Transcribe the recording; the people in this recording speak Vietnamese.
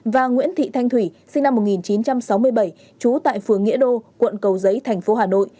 và nguyễn thị thanh thủy sinh năm một nghìn chín trăm sáu mươi bảy trú tại phường nghĩa đô quận cầu giấy thành phố hà nội